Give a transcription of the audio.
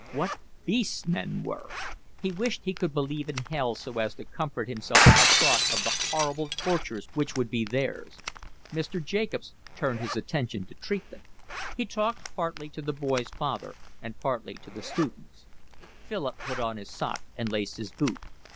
What beasts men were! He wished he could believe in hell so as to comfort himself with the thought of the horrible tortures which would be theirs. Mr. Jacobs turned his attention to treatment. He talked partly to the boy's father and partly to the students. Philip put on his sock and laced his boot.